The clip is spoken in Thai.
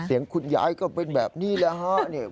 เสียงคุณยายก็เป็นแบบนี้แหละฮะ